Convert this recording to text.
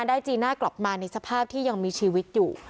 จีน่ากลับมาในสภาพที่ยังมีชีวิตอยู่